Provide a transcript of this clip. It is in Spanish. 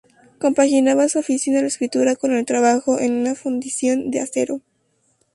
Compaginaba su afición a la escritura con el trabajo en una fundición de acero.